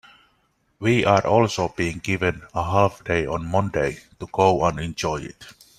We're also being given a half day on Monday to go and enjoy it.